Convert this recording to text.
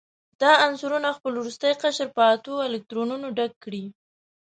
دا عنصرونه خپل وروستی قشر په اتو الکترونونو ډک کړي.